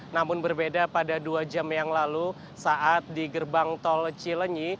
namun berbeda pada dua jam yang lalu saat di gerbang tol cilenyi